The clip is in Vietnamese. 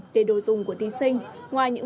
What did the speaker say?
để đồ dùng của thí sinh ngoài những